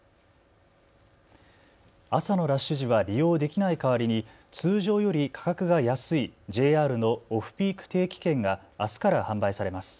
朝のラッシュ時は利用できないかわりに通常より価格が安いＪＲのオフピーク定期券があすから販売されます。